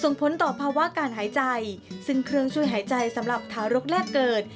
ผลต่อภาวะการหายใจซึ่งเครื่องช่วยหายใจสำหรับทารกแรกเกิด